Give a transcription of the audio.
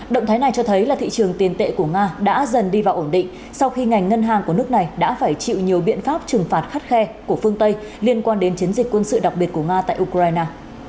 động thái này cho thấy là thị trường tiền tệ của nga đã dần đi vào ổn định sau khi ngành ngân hàng của nước này đã phải chịu nhiều biện pháp trừng phạt khắt khe của phương tây liên quan đến chiến dịch quân sự đặc biệt của nga tại ukraine